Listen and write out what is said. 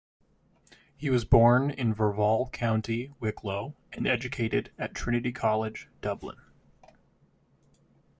He was born in Verval, County Wicklow, and educated at Trinity College, Dublin.